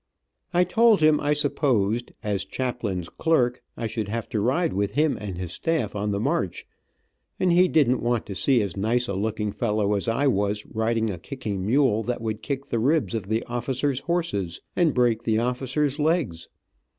I told him I supposed, as chaplain's clerk. I should have to ride with him and his staff on the march, and he didn't want to see as nice a looking fellow as I was riding a kicking mule that would kick the ribs of the officers horses, and break the officers legs.